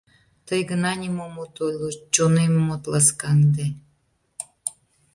Тый гына нимом от ойло, чонемым от ласкаҥде.